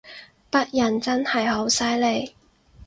北人真係好犀利